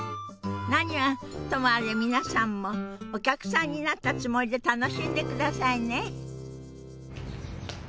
何はともあれ皆さんもお客さんになったつもりで楽しんでくださいね。